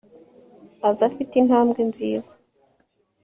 Aza afite intambwe nziza